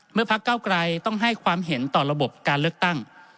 พักเก้าไกรต้องให้ความเห็นต่อระบบการเลือกตั้ง